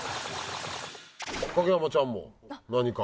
影山ちゃんも何か。